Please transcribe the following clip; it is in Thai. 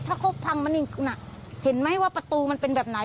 ถ้าเขาพังมันอีกน่ะเห็นไหมว่าประตูมันเป็นแบบไหน